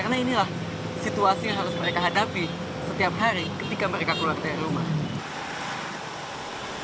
karena inilah situasi yang harus mereka hadapi setiap hari ketika mereka keluar dari rumah